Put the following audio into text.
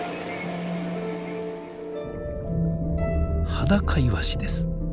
ハダカイワシです。